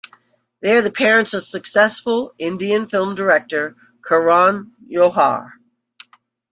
They are the parents of successful Indian film director Karan Johar.